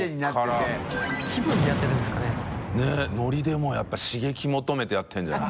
もうやっぱ刺激求めてやってるんじゃない？